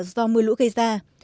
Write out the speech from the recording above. do mưa lũ gây ra